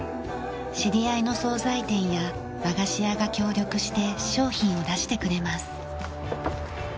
知り合いの総菜店や和菓子屋が協力して商品を出してくれます。